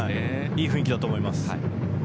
いい雰囲気だと思います。